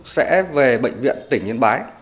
sẽ về bệnh viện tỉnh yên bái